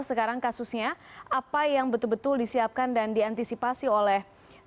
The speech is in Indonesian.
sekarang kasusnya apa yang betul betul disiapkan dan diantisipasi oleh